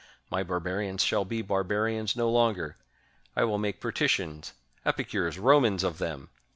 My barbarians shall be barbarians no longer! I will make patricians, epicures, Romans of them!"